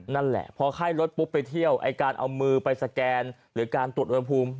นั่นแหละพอไข้รถปุ๊บไปเที่ยวไอ้การเอามือไปสแกนหรือการตรวจอุณหภูมิ